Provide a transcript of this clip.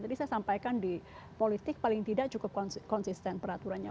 jadi saya sampaikan di politik paling tidak cukup konsisten peraturannya